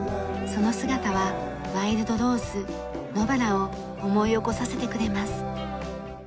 その姿はワイルドローズ野バラを思い起こさせてくれます。